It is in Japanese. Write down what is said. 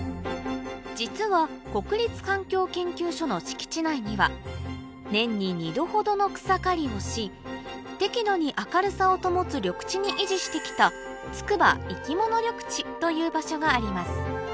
実は国立環境研究所の敷地内には年に２度ほどの草刈りをし適度に明るさを保つ緑地に維持してきたという場所があります